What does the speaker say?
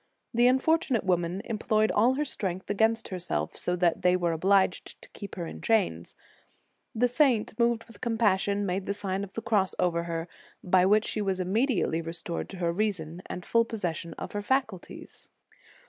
The unfortunate woman employed all her strength against herself, so that they were obliged to keep her in chains. The saint, moved with compassion, made the Sign of the Cross over her, by which she was immediately restored to her reason and full possession of her faculties.